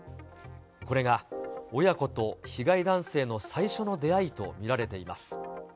これが親子と被害男性の最初の出会いと見られています。